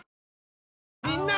みんな！